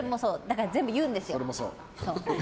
全部言うんですよ。